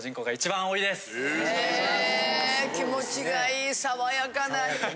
へぇ気持ちがいい爽やかな。